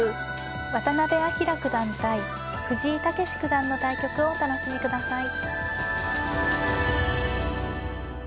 渡辺明九段対藤井猛九段の対局をお楽しみください。